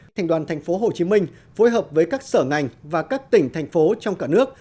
thành đoàn thành phố hồ chí minh phối hợp với các sở ngành và các tỉnh thành phố trong cả nước